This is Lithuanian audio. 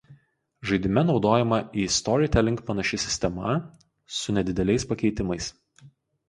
Žaidime naudojama į Storytelling panaši sistema su nedideliais pakeitimais.